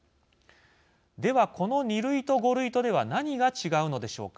では、この２類と５類とでは何が違うのでしょうか。